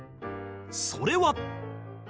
それは